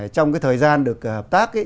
trong cái thời gian được hợp tác